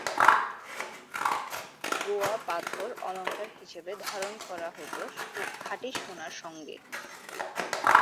গোয়া পাথর অলংকার হিসেবে ধারণ করা হতো খাঁটি সোনার সংগে।